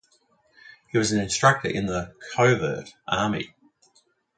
He was an instructor in the "covert" army.